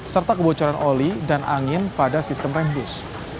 serta kebocoran oli dan angin pada sistem rembus